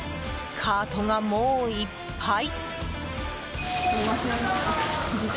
カートがもういっぱい。